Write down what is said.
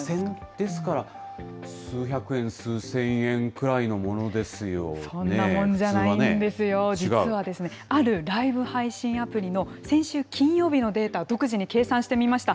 ですから、数百円、そんなもんじゃないんですよ、実は、あるライブ配信アプリの先週金曜日のデータを独自に計算してみました。